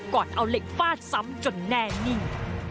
ก่อนเอาเหล็กฟาดซ้ำจนแน่นิ่ง